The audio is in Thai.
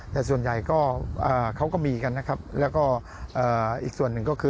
แต่ส่วนใหญ่ก็เขาก็มีกันนะครับแล้วก็อีกส่วนหนึ่งก็คือ